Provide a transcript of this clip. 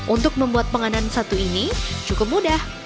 untuk membuat penganan satu ini cukup mudah